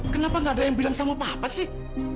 kenapa gak ada yang bilang sama papa sih